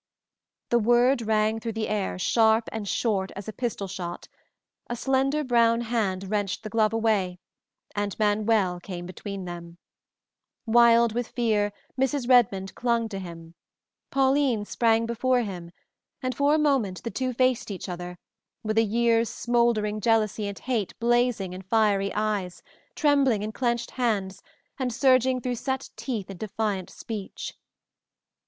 The word rang through the air sharp and short as a pistol shot, a slender brown hand wrenched the glove away, and Manuel came between them. Wild with fear, Mrs. Redmond clung to him. Pauline sprang before him, and for a moment the two faced each other, with a year's smoldering jealousy and hate blazing in fiery eyes, trembling in clenched hands, and surging through set teeth in defiant speech.